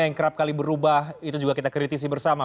yang kerap kali berubah itu juga kita kritisi bersama